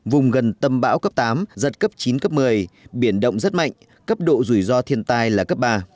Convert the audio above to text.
vùng gần tâm bão cấp tám giật cấp chín cấp một mươi biển động rất mạnh cấp độ rủi ro thiên tai là cấp ba